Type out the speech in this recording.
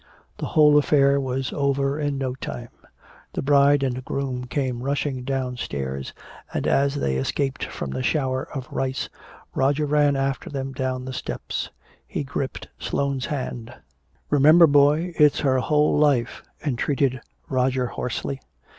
The whole affair was over in no time. The bride and the groom came rushing downstairs; and as they escaped from the shower of rice, Roger ran after them down the steps. He gripped Sloane's hand. "Remember, boy, it's her whole life!" entreated Roger hoarsely.